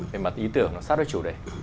về mặt ý tưởng nó sát với chủ đề